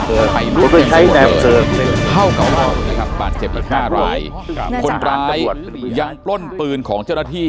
คุณร้ายยังปล้นร้านปืนของเจ้าราคุณร้ายยังปืนของเจ้าระนาที่